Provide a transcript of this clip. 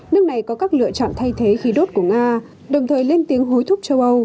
nước này có các lựa chọn thay thế khí đốt của nga đồng thời lên tiếng hối thúc châu âu